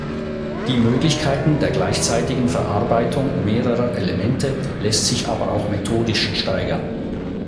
Die Möglichkeiten der gleichzeitigen Verarbeitung mehrerer Elemente lässt sich aber auch methodisch steigern.